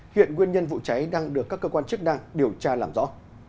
hiện nguyên nhân vụ cháy đang được các cơ quan chức năng điều tra làm rõ